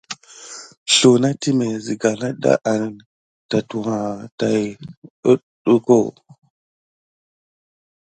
Sluwa na timé siga nada an totiwiéké tät kudukune.